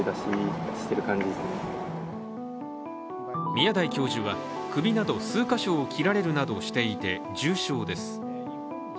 宮台教授は、首など数か所を切られるなどしていて重傷です。